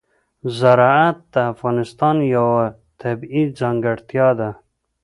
زراعت د افغانستان یوه طبیعي ځانګړتیا ده.